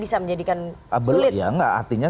bisa menjadikan belit ya enggak artinya